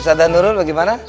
ustadz danurul bagaimana